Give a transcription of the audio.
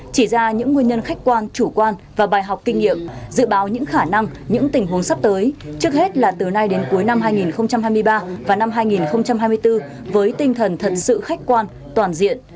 chỉ ra những nguyên nhân khách quan chủ quan và bài học kinh nghiệm dự báo những khả năng những tình huống sắp tới trước hết là từ nay đến cuối năm hai nghìn hai mươi ba và năm hai nghìn hai mươi bốn với tinh thần thật sự khách quan toàn diện